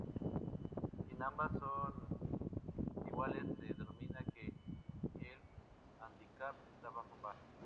Si ambas son iguales, se denomina que el hándicap está bajo par.